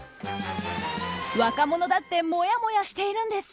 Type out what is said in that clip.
若者だってもやもやしてるんです！